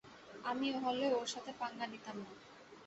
আমি হলে ওর সাথে পাঙ্গা নিতাম না।